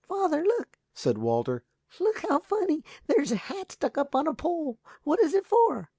"Father, look," said Walter, "look, how funny! there is a hat stuck up on a pole. What is it for?"